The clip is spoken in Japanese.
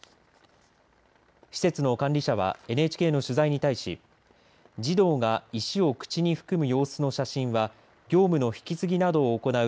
施設の管理者はＮＨＫの取材に対し児童が石を口に含む様子の写真は業務の引き継ぎなどを行う